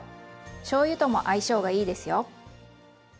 しょうゆとも相性がいいですよ。